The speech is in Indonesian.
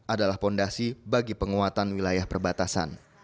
adalah fondasi bagi penguatan wilayah perbatasan